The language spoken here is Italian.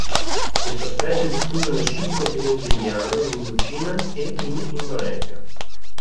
Questa specie è diffusa nel Subcontinente indiano, in Indocina e in Indonesia.